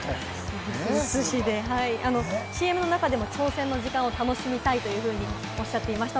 ＣＭの中でも挑戦の時間を楽しみたいというふうにおっしゃっていました。